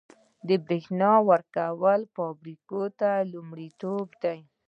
د بریښنا ورکړه فابریکو ته لومړیتوب دی